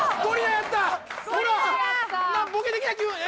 ボケてきた急に。